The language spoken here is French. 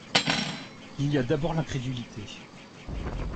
Il y a d’abord l’incrédulité.